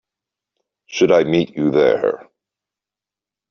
Should I meet you there?